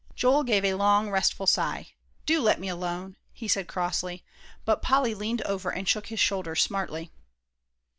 Joel gave a long restful sigh. "Do let me alone," he said crossly. But Polly leaned over and shook his shoulder smartly.